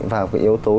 vào cái yếu tố